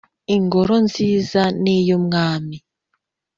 ingoro nziza niyumwami